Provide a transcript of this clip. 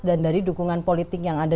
dan dari dukungan politik yang ada